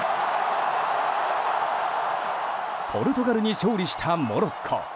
ポルトガルに勝利したモロッコ。